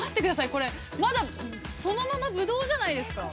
これ、まだそのままぶどうじゃないですか。